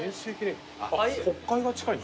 国会が近いの？